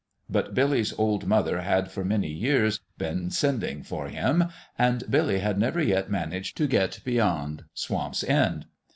But Billy's old mother had for many years been sending for him ; and Billy had never yet managed to get beyond Swamp's End.